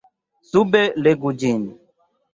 Sube legu ĝin.